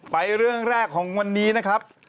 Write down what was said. เรื่องแรกของวันนี้นะครับ